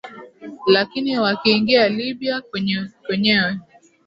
lakini wakiingia libya kwenyewe